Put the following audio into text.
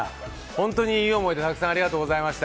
本当にいい思い出、たくさんありがとうございました。